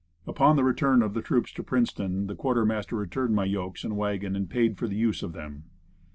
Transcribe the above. Upon the return of the troops to Princeton the quartermaster returned my yokes and wagon and paid for the use of them.